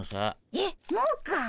えっもうかい？